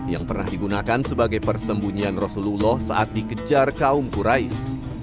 yang pernah digunakan sebagai persembunyian rasulullah saat dikejar kaum qurais